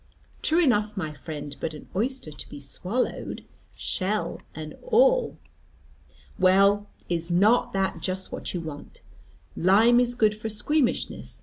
"True enough, my friend: but an oyster to be swallowed shell and all." "Well, is not that just what you want? Lime is good for squeamishness.